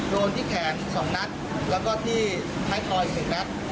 โดนที่แขน๒นัทและที่ไทยตลอด๑๐นัท